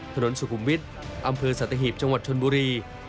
ถนนสุขุมวิทย์อำเภอสัตหีบจังหวัดชนบุรี